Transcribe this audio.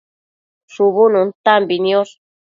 shubu nuntambi niosh